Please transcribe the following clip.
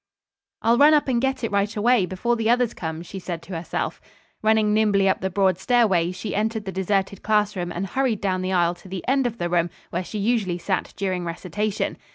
"I'll run up and get it right away, before the others come," she said to herself. Running nimbly up the broad stairway, she entered the deserted classroom and hurried down the aisle to the end of the room where she usually sat during recitation.